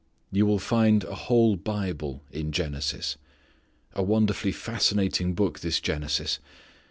You will find a whole Bible in Genesis. A wonderfully fascinating book this Genesis.